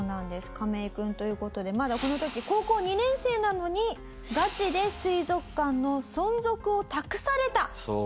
カメイ君という事でまだこの時高校２年生なのにガチで水族館の存続を託されたというわけになります。